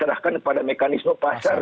diserahkan pada mekanisme pasar